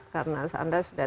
karena anda sudah